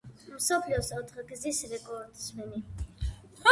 მსოფლიოს ოთხგზის რეკორდსმენი.